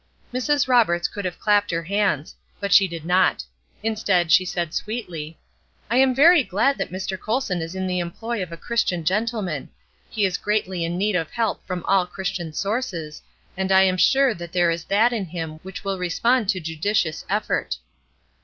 Mrs. Roberts could have clapped her hands; but she did not. Instead she said, sweetly: "I am very glad that Mr. Colson is in the employ of a Christian gentleman. He is greatly in need of help from all Christian sources, and I am sure there is that in him which will respond to judicious effort."